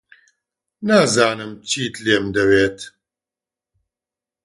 نازانم چیت لێم دەوێت.